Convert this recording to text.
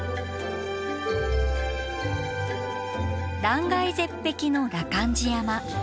断崖絶壁の羅漢寺山。